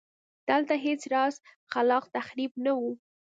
دلته هېڅ راز خلاق تخریب نه و.